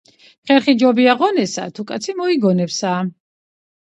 ხერხი ჯობია ღონესა, თუ კაცი მოიგონებსა.